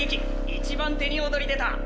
１番手に躍り出た。